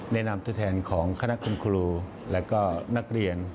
แนะนำตัวแทนของคณะคุณครูและก็นักเรียน